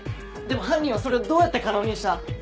でも犯人はそれをどうやって可能にした？